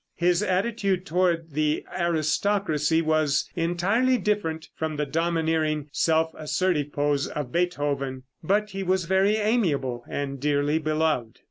His attitude toward the aristocracy was entirely different from the domineering, self assertive pose of Beethoven, but he was very amiable, and dearly beloved.